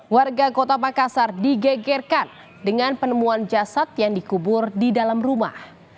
warga kota makassar digegerkan dengan penemuan jasad yang dikubur di dalam rumah